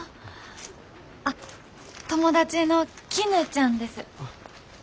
あっ友達のきぬちゃんです。